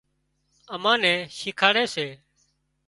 امان نين شيکاڙِ سي